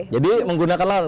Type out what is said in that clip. jadi menggunakan lahan